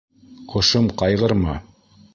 Ҡошом ҡайғырма